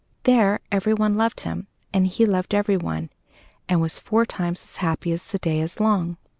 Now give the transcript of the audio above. There everyone loved him, and he loved everyone, and was four times as happy as the day is long.